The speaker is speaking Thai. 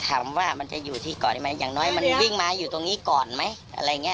ถามว่ามันจะอยู่ที่เกาะได้ไหมอย่างน้อยมันวิ่งมาอยู่ตรงนี้ก่อนไหมอะไรอย่างนี้